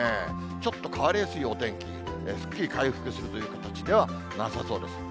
ちょっと変わりやすいお天気、すっきり回復するという形ではなさそうです。